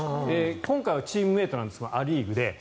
今回はチームメートなんですがア・リーグで。